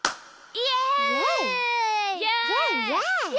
イエイ！